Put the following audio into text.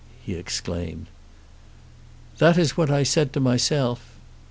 he exclaimed. "That is what I said to myself."